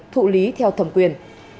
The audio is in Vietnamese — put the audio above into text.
thụ lý theo thẩm quyền